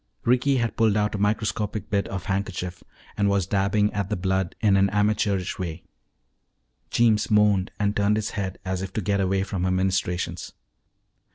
Ricky had pulled out a microscopic bit of handkerchief and was dabbing at the blood in an amateurish way. Jeems moaned and turned his head as if to get away from her ministrations.